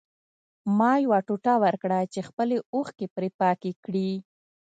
ما یو ټوټه ورکړه چې خپلې اوښکې پرې پاکې کړي